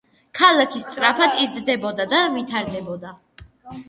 ქალაქი სწრაფად იზრდებოდა და ვითარდებოდა.